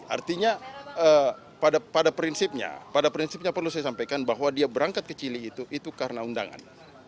artinya pada prinsipnya perlu saya sampaikan bahwa dia berangkat ke cili itu karena undangan